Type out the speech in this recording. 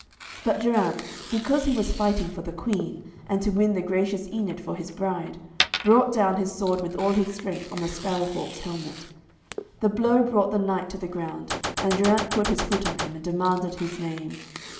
But Geraint, because he was fighting for the Queen, and to win the gracious Enid for his bride, brought down his sword with all his strength on the Sparrow hawk's helmet. The blow brought the knight to the ground, and Geraint put his foot on him, and demanded his name.